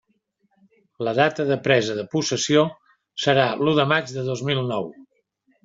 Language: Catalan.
La data de presa de possessió serà l'u de maig de dos mil nou.